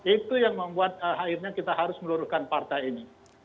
itu yang membuat akhirnya kita harus meluruhkan partai ini